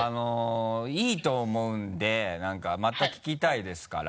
いいと思うんで何かまた聞きたいですから。